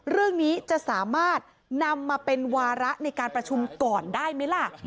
เรื่องนี้จะสามารถนำมาเป็นวาระในการประชุมก่อนได้ไหมล่ะ